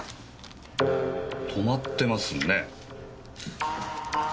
止まってますね。